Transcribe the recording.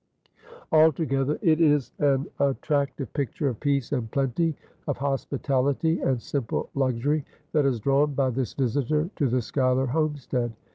Altogether it is an attractive picture of peace and plenty, of hospitality and simple luxury, that is drawn by this visitor to the Schuyler homestead.